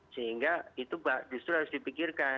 sehingga itu justru harus dipikirkan